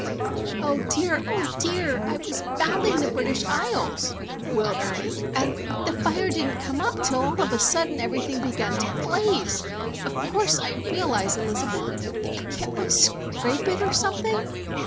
"Oh dear! oh dear! I was bounding the British Isles!" wailed Ernie. "And the fire didn't come up,—till all of a sudden everything began to blaze! Of course, I realise, Elizabeth. Can't we scrape it, or something?"